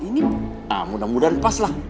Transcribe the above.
ini mudah mudahan pas lah